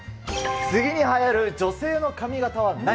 次にはやる女性の髪形は何？